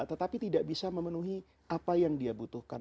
tetapi tidak bisa memenuhi apa yang dia butuhkan